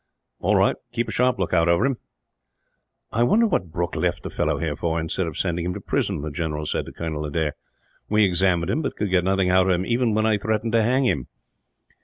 "All right; keep a sharp lookout over him. "I wonder what Brooke left the fellow here for, instead of sending him to prison," the general said to Colonel Adair. "We examined him, but could get nothing out of him, even when I threatened to hang him."